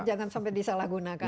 jangan sampai disalahgunakan